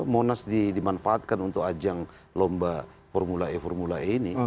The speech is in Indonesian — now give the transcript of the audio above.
monas dimanfaatkan untuk ajang lomba formula e ini